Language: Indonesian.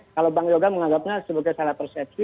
kalau bang yoga menganggapnya sebagai salah persepsi